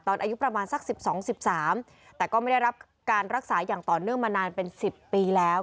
อายุประมาณสัก๑๒๑๓แต่ก็ไม่ได้รับการรักษาอย่างต่อเนื่องมานานเป็น๑๐ปีแล้ว